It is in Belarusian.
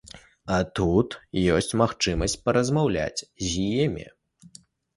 А тут ёсць магчымасць паразмаўляць з імі.